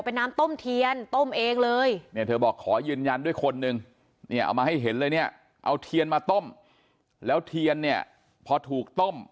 เนี่ยเอามาให้เห็นเลยเนี่ยเอาเทียนมาต้มแล้วเทียนเนี่ยพอถูกต้ม